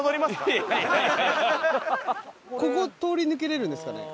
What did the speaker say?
ここ通り抜けられるんですかね？